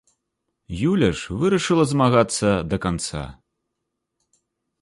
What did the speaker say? Юля ж вырашыла змагацца да канца.